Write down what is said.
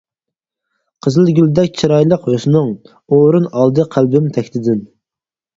قىزىلگۈلدەك چىرايلىق ھۆسنۈڭ، ئورۇن ئالدى قەلبىم تەكتىدىن.